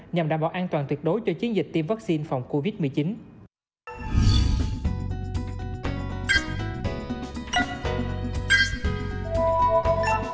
nhằm đảm bảo an toàn tuyệt đối cho chiến dịch tiêm vaccine phòng covid một mươi chín